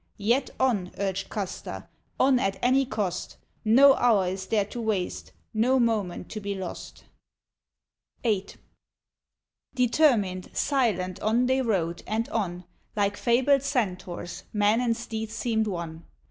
"Yet on," urged Custer, "on at any cost, No hour is there to waste, no moment to be lost." VIII. Determined, silent, on they rode, and on, Like fabled Centaurs, men and steeds seemed one.